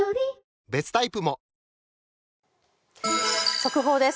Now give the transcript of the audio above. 速報です。